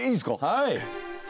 はい。